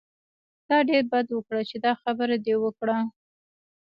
تا ډېر بد وکړل چې دا خبره دې وکړه.